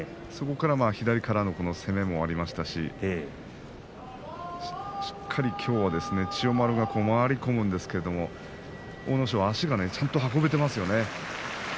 そこから左からの攻めもありましたししっかりときょうは千代丸が回り込むんですけれど阿武咲は足がちゃんと運べています。